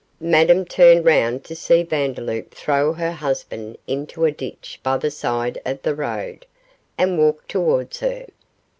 Madame turned round to see Vandeloup throw her husband into a ditch by the side of the road, and walk towards her.